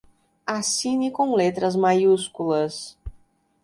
Assine com letras maiúsculas